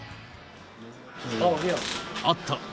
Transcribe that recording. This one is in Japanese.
あった。